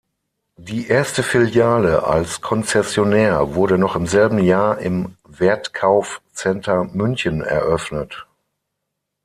Die erste Filiale als Konzessionär wurde noch im selben Jahr im Wertkauf-Center München eröffnet.